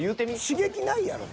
刺激ないやろ。